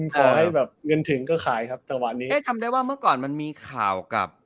ขอให้แบบเงินถึงก็ขายครับจังหวะนี้เอ๊ะทำได้ว่าเมื่อก่อนมันมีข่าวกับ